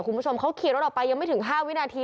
คุณผู้ชมเขาขี่รถออกไปยังไม่ถึง๕วินาที